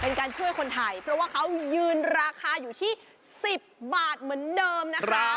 เป็นการช่วยคนไทยเพราะว่าเขายืนราคาอยู่ที่๑๐บาทเหมือนเดิมนะคะ